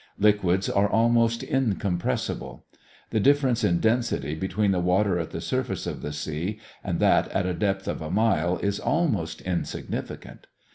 Liquids are almost incompressible. The difference in density between the water at the surface of the sea and that at a depth of a mile is almost insignificant.